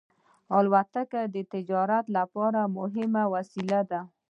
الوتکه د تجارت لپاره مهمه وسیله ده.